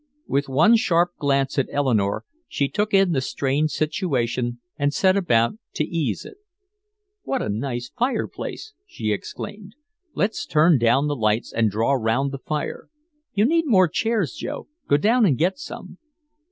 With one sharp glance at Eleanore, she took in the strained situation and set about to ease it. "What a nice old fireplace," she exclaimed. "Let's turn down the lights and draw 'round the fire. You need more chairs, Joe; go down and get some."